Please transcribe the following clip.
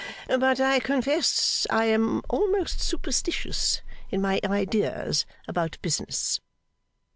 But I confess I am almost superstitious in my ideas about business.